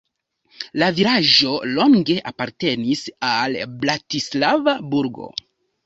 La vilaĝo longe apartenis al Bratislava burgo.